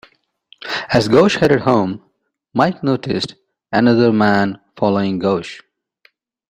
As Gosch headed home, Mike noticed another man following Gosch.